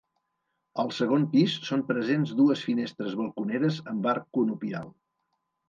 Al segon pis són presents dues finestres balconeres amb arc conopial.